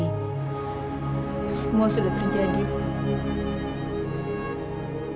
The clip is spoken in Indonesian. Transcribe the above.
semua sudah terjadi bu